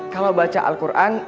kalau baca al qur'an